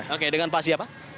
oke dengan pak siapa